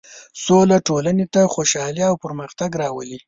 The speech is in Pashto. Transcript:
سوله ټولنې ته خوشحالي او پرمختګ راولي.